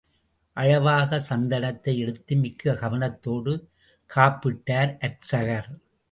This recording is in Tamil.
அளவாகச் சந்தனத்தை எடுத்து மிக்க கவனத்தோடு காப்பிட்டார் அர்ச்சகர்.